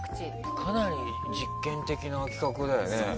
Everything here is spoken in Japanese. かなり実験的な企画だよね。